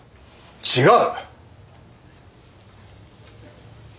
違う！